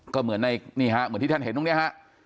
ก็เหมือนที่ท่านเห็นตรงนี้ฮะ